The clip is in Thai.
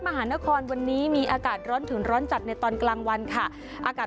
มหานครวันนี้มีอากาศร้อนถึงร้อนจัดในตอนกลางวันค่ะอากาศ